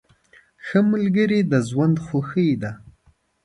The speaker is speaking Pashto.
ښه ملګري د ژوند خوښي ده.